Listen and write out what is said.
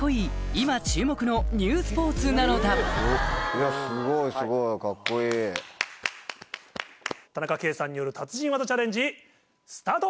今注目のニュースポーツなのだ田中圭さんによる達人技チャレンジスタート！